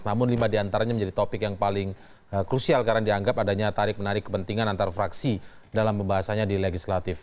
namun lima diantaranya menjadi topik yang paling krusial karena dianggap adanya tarik menarik kepentingan antar fraksi dalam pembahasannya di legislatif